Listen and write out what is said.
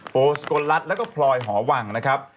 โสสกลรัฐแล้วก็พลอยหอวังนะครับ